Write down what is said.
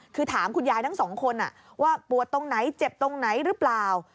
คือถามคุณยายทั้งสองคนว่าปวดตรงไหนเจ็บตรงไหนหรือเปล่า